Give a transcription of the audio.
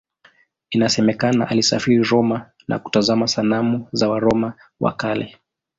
Inasemekana alisafiri Roma na kutazama sanamu za Waroma wa Kale.